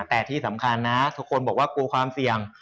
แต่ที่สำคัญนะทุกคนบอกว่ากลัวความเสี่ยง